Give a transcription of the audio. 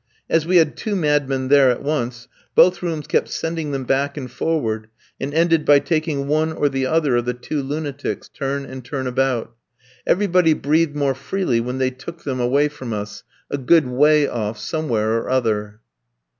As we had two madmen there at once, both rooms kept sending them back and forward, and ended by taking one or the other of the two lunatics, turn and turn about. Everybody breathed more freely when they took them away from us, a good way off, somewhere or other.